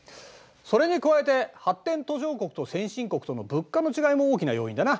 それに加えて発展途上国と先進国との物価の違いも大きな要因だな。